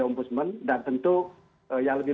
om budsman dan tentu yang lebih